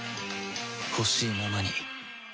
ほしいままに